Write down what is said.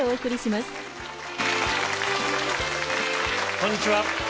こんにちは